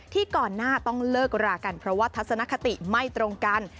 ก่อนหน้าต้องเลิกรากันเพราะว่าทัศนคติไม่ตรงกัน